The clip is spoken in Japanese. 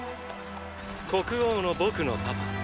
国王の僕のパパ。